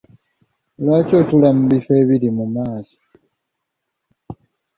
Lwaki totuula mu bifo ebiri mu maaso?